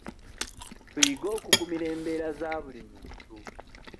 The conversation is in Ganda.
Tuyige okugumira embeera za buli muntu.